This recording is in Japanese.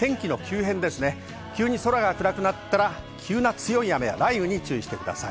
きょうのポイントは天気の急変ですね、急に空が暗くなったら、急な強い雨や雷雨に注意してください。